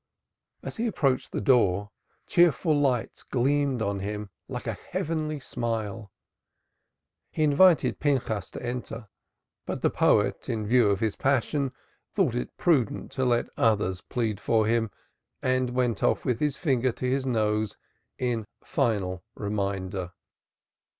As he approached the door, cheerful lights gleamed on him like a heavenly smile. He invited Pinchas to enter, but the poet in view of his passion thought it prudent to let others plead for him and went off with his finger to his nose in final reminder.